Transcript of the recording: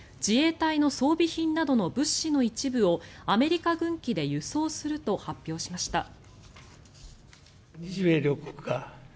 自衛隊の装備品などの物資の一部をアメリカ軍機で輸送すると発表しました。